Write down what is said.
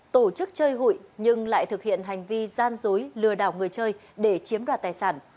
tổ chức chơi hụi nhưng lại thực hiện hành vi gian dối lừa đảo người chơi để chiếm đoạt tài sản